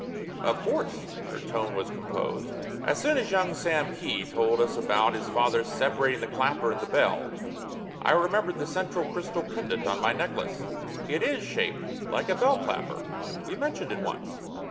"Of course." Her tone was composed. "As soon as young Sam Kee told us about his father's separating the clapper and the bell, I remembered the central crystal pendant on my necklace. It is shaped like a bell clapper we mentioned it once.